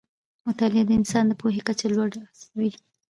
مطالعه د انسان د پوهې کچه لوړه وي